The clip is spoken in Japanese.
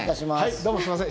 どうもすいません。